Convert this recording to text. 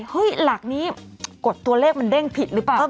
หลักนี้กดตัวเลขมันเด้งผิดหรือเปล่า